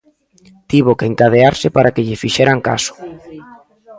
Tivo que encadearse para que lle fixeran caso.